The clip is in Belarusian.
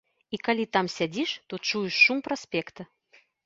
І калі там сядзіш, то чуеш шум праспекта.